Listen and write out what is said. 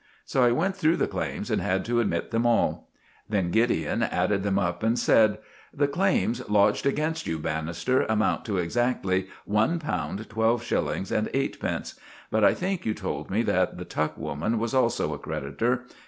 So I went through the claims and had to admit them all. Then Gideon added them up and said— "The claims lodged against you, Bannister, amount to exactly one pound twelve shillings and eightpence; but I think you told me that the tuck woman was also a creditor.